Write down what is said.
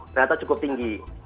ternyata cukup tinggi